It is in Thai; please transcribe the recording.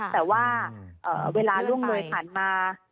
แต่ว่าเวลารุ่งโดยถันมา